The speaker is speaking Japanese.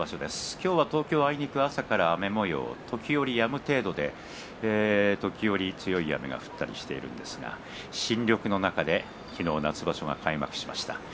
今日は東京朝から雨もようと時折、やむ程度で時折強い雨が降ったりしていますが新緑の中で昨日、夏場所が開幕しました。